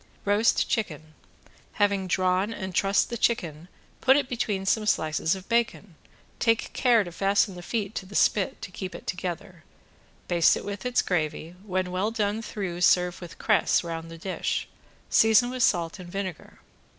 ~ROAST CHICKEN~ Having drawn and trussed the chicken put it between some slices of bacon, take care to fasten the feet to the spit to keep it together, baste it with its gravy, when well done through, serve with cress round the dish, season with salt and vinegar.